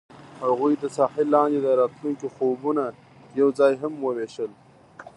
هغوی د ساحل لاندې د راتلونکي خوبونه یوځای هم وویشل.